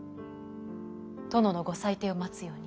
殿のご裁定を待つように。